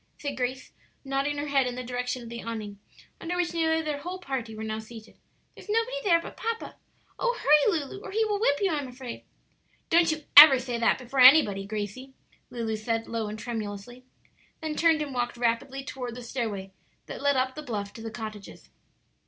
said Grace, nodding her head in the direction of the awning under which nearly their whole party were now seated: "there's nobody there but papa. Oh hurry, Lulu, or he will whip you, I'm afraid." "Don't you ever say that before anybody, Gracie," Lulu said, low and tremulously; then turned and walked rapidly toward the stairway that led up the bluff to the cottages.